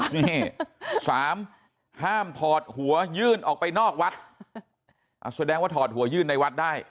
นี่สามห้ามถอดหัวยื่นออกไปนอกวัดแสดงว่าถอดหัวยื่นในวัดได้